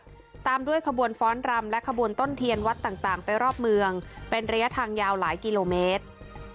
ตามด้วยขบวนฟ้อนรำและขบวนต้นเทียนวัดต่างไปรอบเมืองเป็นระยะทางยาวหลายกิโลเมตร